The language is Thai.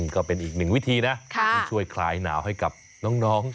ก็เป็นอีกหนึ่งวิธีนะที่ช่วยคลายหนาวให้กับน้อง